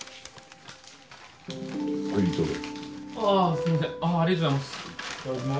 ・ありがとうございます！